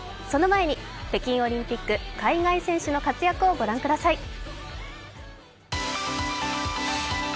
その前に北京オリンピック海外選手の活躍を御覧ください。